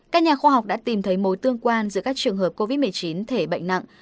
các nhà khoa học đã tìm thấy mối tương quan giữa các trường hợp covid một mươi chín thể bệnh nặng